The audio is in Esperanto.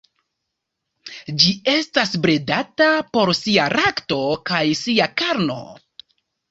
Ĝi estas bredata por sia lakto kaj sia karno.